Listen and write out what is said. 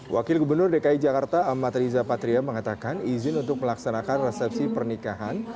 wakil gubernur dki jakarta amat riza patria mengatakan izin untuk melaksanakan resepsi pernikahan